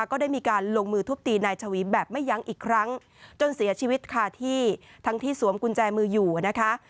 ก็ได้มีการลงมือทุบตีนายชวีแบบไม่ยั้งอีกครั้งจนเสียชีวิตค่ะที่ทั้งที่สวมกุญแจมืออยู่นะคะ